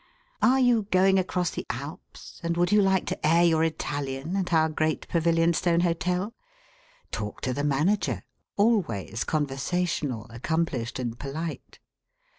Are you going across the Alps, and would you like to air your Italian at our Great Pavilionstone Hotel? Talk to the Manager—always conversational, accomplished, and polite.